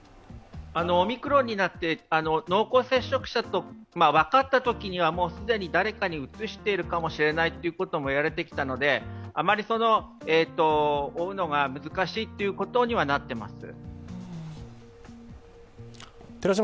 オミクロンになって濃厚接触者と分かったときには既に誰かにうつしてるかもしれないということも言われてきたのであまり追うのが難しいということにはなっています。